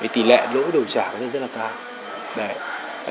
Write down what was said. tỷ lệ lỗi đổi trả rất là cao